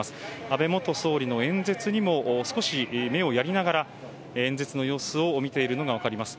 安倍元総理の演説にも少し目をやりながら演説の様子を見ているのが分かります。